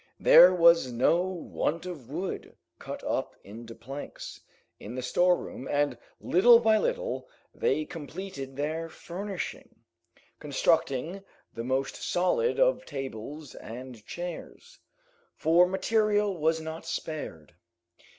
There was no want of wood, cut up into planks, in the storeroom, and little by little they completed their furnishing; constructing the most solid of tables and chairs, for material was not spared.